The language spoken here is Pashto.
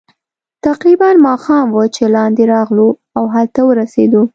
تقریباً ماښام وو چې لاندې راغلو، او هلته ورسېدو.